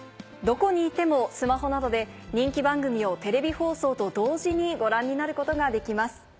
どこにいてもスマホなどで人気番組をテレビ放送と同時にご覧になることができます。